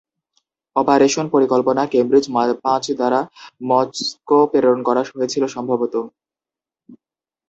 Operation পরিকল্পনা Cambridge পাঁচ দ্বারা মস্কো প্রেরণ করা হয়েছিলো সম্ভবত।